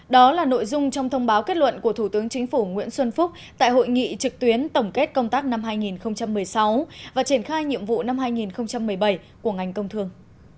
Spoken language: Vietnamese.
đó là nội dung trong thông báo kết luận của thủ tướng chính phủ nguyễn xuân phúc tại hội nghị trực tuyến tổng kết công tác năm hai nghìn một mươi sáu và triển khai nhiệm vụ năm hai nghìn một mươi bảy của ngành công thương